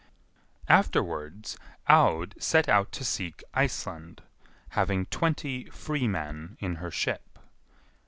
Afterwards Aud set out to seek Iceland, having twenty free men in her ship.